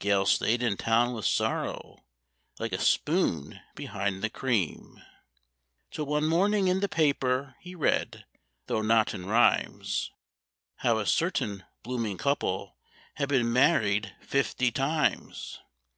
Gale stayed in town with sorrow, like a spoon behind the cream; Till one morning in the paper he read, though not in rhymes, How a certain blooming couple had been married fifty times!